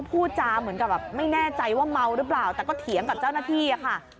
พูดจาเหมือนกับแบบไม่แน่ใจว่าเมาหรือเปล่าแต่ก็เถียงกับเจ้าหน้าที่อะค่ะ